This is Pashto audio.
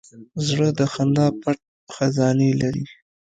زړه د خندا پټ خزانې لري.